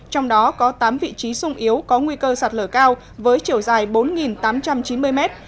trong đó có tám vị trí sung yếu có nguy cơ sạt lở cao với chiều dài bốn tám trăm chín mươi mét